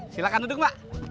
silahkan duduk mbak